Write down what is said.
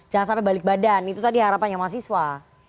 jangan sampai balik badan itu tadi harapannya mahasiswa